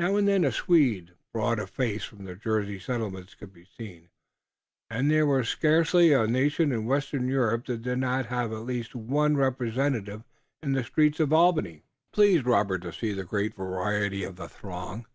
Now and then a Swede, broad of face, from the Jersey settlements could be seen, and there was scarcely a nation in western Europe that did not have at least one representative in the streets of Albany. It pleased Robert to see the great variety of the throng.